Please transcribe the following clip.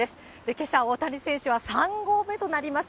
けさ、大谷選手は３号目となります